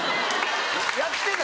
やってた？